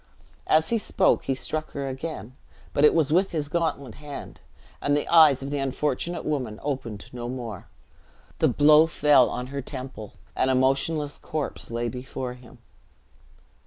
As he spoke, he struck her again; but it was with his gauntlet hand, and the eyes of the unfortunate woman opened no more. The blow fell on her temple, and a motionless corpse lay before him.